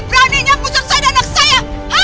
berani nyampu suruh saya dan anak saya